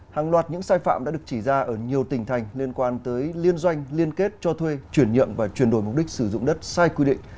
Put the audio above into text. hàng loạt những sai phạm đã được chỉ ra ở nhiều tỉnh thành liên quan tới liên doanh liên kết cho thuê chuyển nhượng và chuyển đổi mục đích sử dụng đất sai quy định